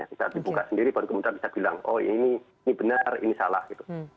kita buka sendiri baru kemudian bisa bilang ini benar ini salah gitu